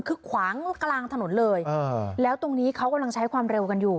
คือขวางกลางถนนเลยแล้วตรงนี้เขากำลังใช้ความเร็วกันอยู่